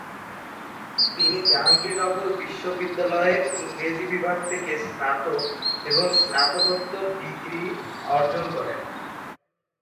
তিনি জাহাঙ্গীরনগর বিশ্ববিদ্যালয়ের ইংরেজি বিভাগ থেকে স্নাতক এবং স্নাতকোত্তর ডিগ্রি অর্জন করেন।